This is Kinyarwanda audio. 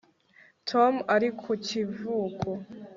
Tom ari ku kivuko